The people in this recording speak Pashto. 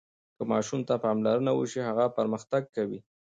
که ماشوم ته پاملرنه وشي، هغه پرمختګ کوي.